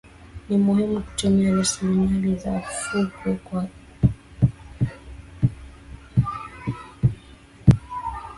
Ni muhimu kutumia rasilimali za fukwe kwa uchumi endelevu